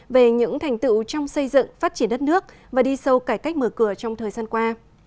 về những thành tựu trong xây dựng phát triển đất nước và đi sâu cải cách mở cửa trong thời gian qua